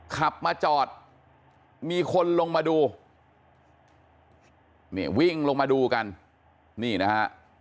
ขับมาจอดมีคนลงมาดูนี่วิ่งลงมาดูกันนี่นะฮะ